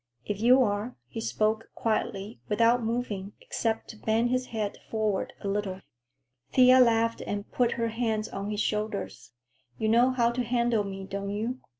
"If you are," he spoke quietly, without moving, except to bend his head forward a little. Thea laughed and put her hands on his shoulders. "You know how to handle me, don't you?"